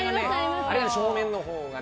あれより正面のほうがね。